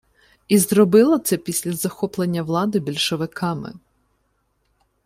І зробила це після захоплення влади більшовиками